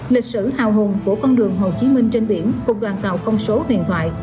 lịch sử hào hùng của con đường hồ chí minh trên biển cùng đoàn tàu không số huyền thoại